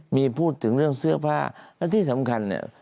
มีพูดถึงเรื่องเสื้อผ้าและที่สำคัญเนี่ย